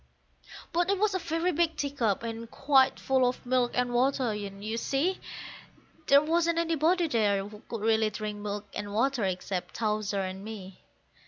But it was a very big teacup, and quite full of milk and water, and, you see, There wasn't anybody there who could really drink milk and water except Towser and me.